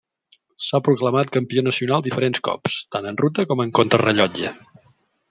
S'ha proclamat campió nacional diferents cops, tant en ruta com en contrarellotge.